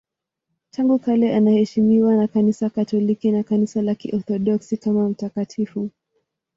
Tangu kale anaheshimiwa na Kanisa Katoliki na Kanisa la Kiorthodoksi kama mtakatifu.